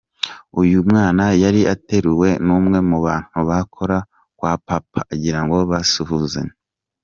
Uyu mwana yari ateruwe n’umwe mu bantu bakora kwa Papa, agirango basuhuzanye.